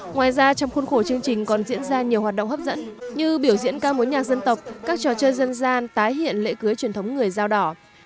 ngoài ra trong khuôn khổ chương trình còn diễn ra nhiều hoạt động hấp dẫn như biểu diễn ca mối nhạc dân tộc các trò chơi dân gian tái hiện lễ cưới truyền thống người dao đỏ